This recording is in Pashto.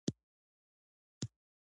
زه په فابریکه کې کار کوم.